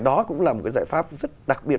đó cũng là một cái giải pháp rất đặc biệt